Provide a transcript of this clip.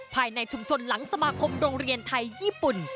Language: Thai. ภายในชุมชนหลังสมาคมโรงเรียนไทยญี่ปุ่น